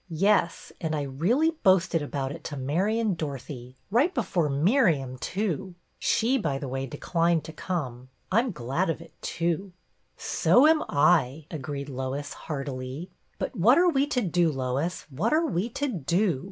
"Yes, and I really boasted about it to Mary and Dorothy, right before Miriam too. She, by the way, declined to come. I 'm glad of it, too." "So am I," agreed Lois, heartily. " But what are we to do, Lois, what are we to do